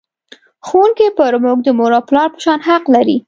ښوونکی پر موږ د مور او پلار په شان حق لري.